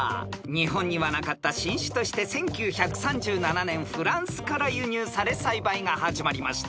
［日本にはなかった新種として１９３７年フランスから輸入され栽培が始まりました。